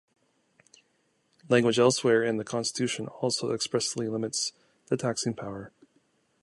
Language elsewhere in the Constitution also expressly limits the taxing power.